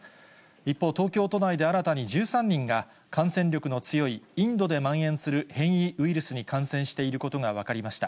一方、東京都内で新たに１３人が感染力の強いインドでまん延する変異ウイルスに感染していることが分かりました。